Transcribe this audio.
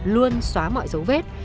luôn xóa mọi dấu vết